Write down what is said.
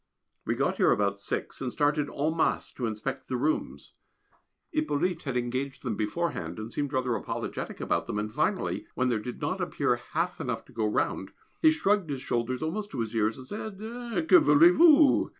We got here about six, and started en masse to inspect the rooms. Hippolyte had engaged them beforehand, and seemed rather apologetic about them, and finally, when there did not appear half enough to go round, he shrugged his shoulders almost up to his ears and said, "Que voulez vous!"